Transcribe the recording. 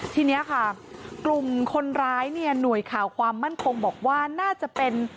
ทีนี้ค่ะกลุ่มคนร้ายเนี่ยหน่วยข่าวความมั่นคงบอกว่าน่าจะเป็น